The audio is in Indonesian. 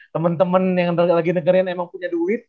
temen temen yang lagi negerian emang punya duit